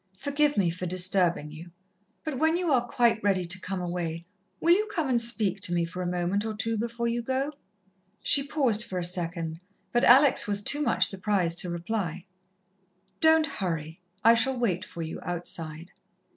"Forgive me for disturbing you, but when you are quite ready to come away, will you come and speak to me for a moment or two before you go?" She paused for a second, but Alex was too much surprised to reply. "Don't hurry. I shall wait for you outside."